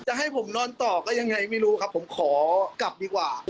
ให้ผมนอนต่อก็ยังไงไม่รู้ครับผมขอกลับดีกว่า